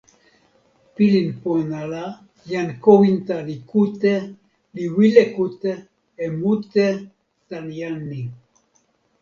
pilin pona la jan Kowinta li kute, li wile kute e mute tan jan ni.